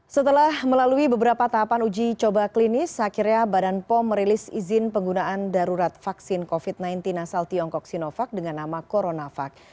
setelah melalui beberapa tahapan uji coba klinis akhirnya badan pom merilis izin penggunaan darurat vaksin covid sembilan belas asal tiongkok sinovac dengan nama coronavac